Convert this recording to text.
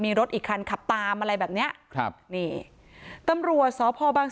มีรถอีกคันขับตามอะไรแบบเนี้ยครับนี่ตำรวจสพบัง